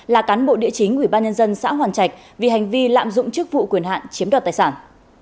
là cán bộ địa chính ủy ban nhân dân xã hoàn trạch vì hành vi lạm dụng chức vụ quyền hạn chiếm đoạt tài sản